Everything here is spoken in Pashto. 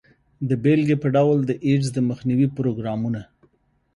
د بیلګې په ډول د ایډز د مخنیوي پروګرامونه.